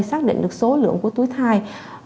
xác định được số lượng của túi thai